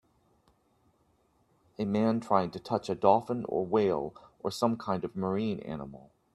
a man trying to touch a dolphin or whale or some kind of marine animal